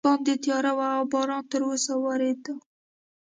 باندې تیاره وه او باران تراوسه ورېده.